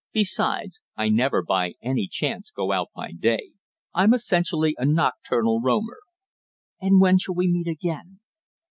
Besides, I never by any chance go out by day. I'm essentially a nocturnal roamer." "And when shall we meet again?"